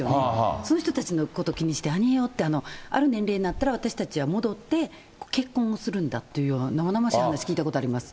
その人たちのことを気にして、ある年齢になったら、私たちは戻って、結婚をするんだっていう生々しい話を聞いたことあります。